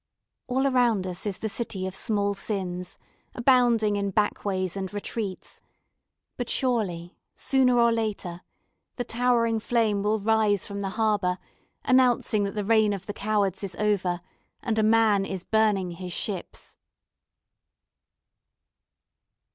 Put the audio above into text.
All around us is the city of small sins, abounding in backways and retreats, but surely, sooner or later, the towering flame will rise from the harbour announcing that the reign of the cowards is over and a man is burning his ships.